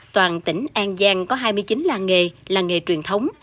toàn tỉnh an giang có hai mươi chín làng nghề làng nghề truyền thống